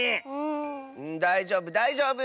だいじょうぶだいじょうぶ！